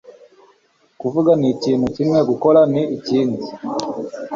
Kuvuga ni ikintu kimwe gukora ni ikindi